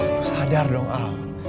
lo sadar dong al